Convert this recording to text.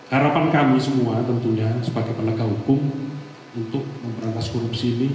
harapan kami semua tentunya sebagai penegak hukum untuk memberantas korupsi ini